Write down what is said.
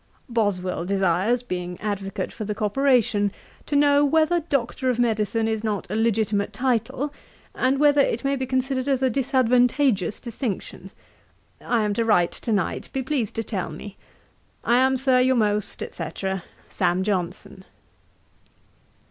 Boswell desires, being advocate for the corporation, to know whether Doctor of Medicine is not a legitimate title, and whether it may be considered as a disadvantageous distinction. I am to write to night; be pleased to tell me. 'I am, Sir, your most, &c., 'SAM. JOHNSON.'